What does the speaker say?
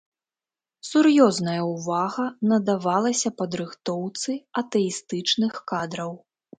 Сур'ёзная ўвага надавалася падрыхтоўцы атэістычных кадраў.